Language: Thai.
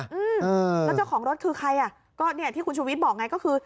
อืมแล้วเจ้าของรถคือใครอ่ะก็เนี่ยที่คุณชูวิทย์บอกไงก็คือ